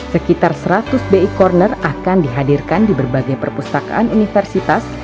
sekitar seratus bi corner akan dihadirkan di berbagai perpustakaan universitas